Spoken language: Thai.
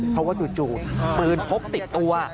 เพราะว่าจู่ปืนพกติดตัว